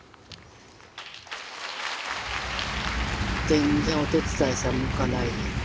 全然お手伝いさんも置かないで。